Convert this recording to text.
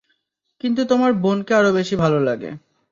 কিন্তু তোমার বোনকে আরো বেশি ভালো লাগে।